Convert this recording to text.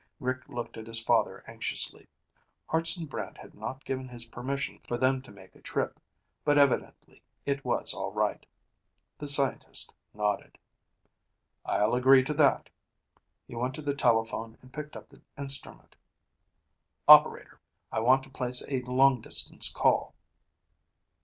Rick looked at his father anxiously. Hartson Brant had not given his permission for them to make a trip, but evidently it was all right. The scientist nodded. "I'll agree to that." He went to the telephone and picked up the instrument. "Operator, I want to place a long distance call."